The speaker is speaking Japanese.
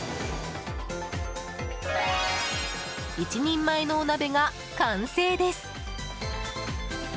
１人前のお鍋が完成です。